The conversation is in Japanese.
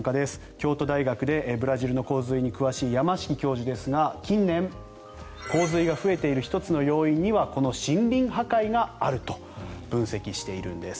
京都大学でブラジルの洪水に詳しい山敷教授ですが近年、洪水が増えている１つの要因にはこの森林破壊があると分析しているんです。